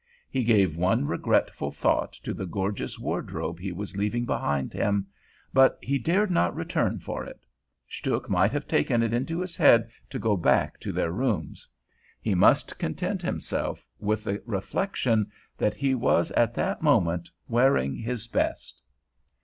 He gave one regretful thought to the gorgeous wardrobe he was leaving behind him; but he dared not return for it. Stuhk might have taken it into his head to go back to their rooms. He must content himself with the reflection that he was at that moment wearing his best.